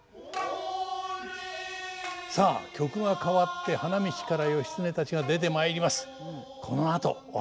さあ曲が変わって花道から義経たちが出てまいります。